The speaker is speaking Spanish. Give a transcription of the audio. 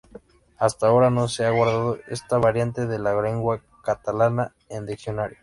Hasta ahora no se ha guardado esta variante de la lengua catalana en diccionario.